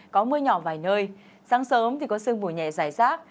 có mưa nhỏ vài nơi sáng sớm thì có sương mùi nhẹ dài rác